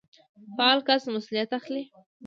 فعال کس مسوليت اخلي.